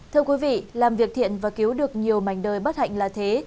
thưa quý vị làm việc thiện và cứu được nhiều mảnh đời bất hạnh là thế